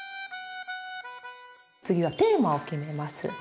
次はテーマを決めます。